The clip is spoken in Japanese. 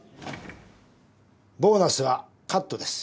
ボーナスはカットです。